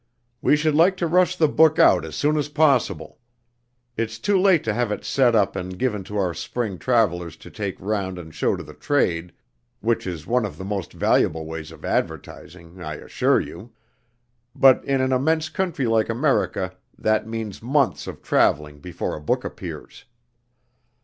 "We should like to rush the book out as soon as possible. It's too late to have it set up and given to our spring travelers to take round and show to the trade which is one of the most valuable ways of advertising, I assure you. But in an immense country like America that means months of traveling before a book appears.